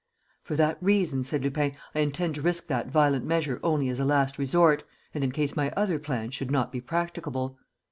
"For that reason," said Lupin, "I intend to risk that violent measure only as a last resort and in case my other plan should not be practicable."